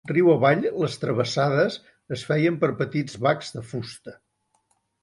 Riu avall, les travessades es feien per petits bacs de fusta.